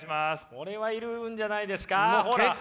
これはいるんじゃないですか？